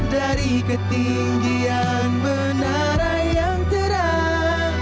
dari ketinggian menara yang cerah